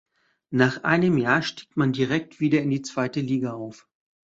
Nach einem Jahr stieg man direkt wieder in die zweite Liga auf.